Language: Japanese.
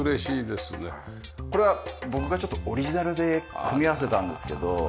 これは僕がちょっとオリジナルで組み合わせたんですけど。